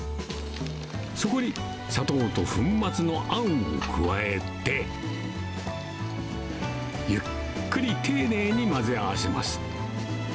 そこに砂糖と粉末のあんを加えて、ゆっくり丁寧に混ぜ合わせます。